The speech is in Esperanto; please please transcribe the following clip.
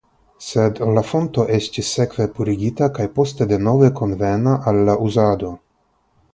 Sed la fonto estis sekve purigita kaj poste denove konvena al la uzado.